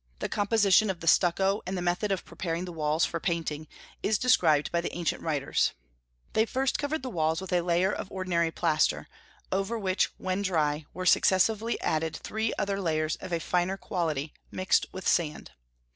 The composition of the stucco, and the method of preparing the walls for painting, is described by the ancient writers: "They first covered the walls with a layer of ordinary plaster, over which, when dry, were successively added three other layers of a finer quality, mixed with sand.